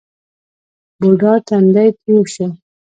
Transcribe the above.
بوډا تندی ترېو شو.